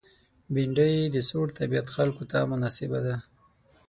بېنډۍ د سوړ طبیعت خلکو ته مناسبه ده